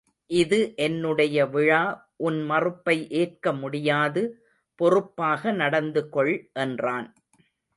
இது என்னுடைய விழா உன் மறுப்பை ஏற்க முடியாது பொறுப்பாக நடந்து கொள் என்றான்.